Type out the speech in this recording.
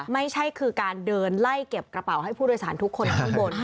ไม่ใช่คือการเดินไล่เก็บกระเป๋าให้ผู้โดยสารทุกคนข้างบน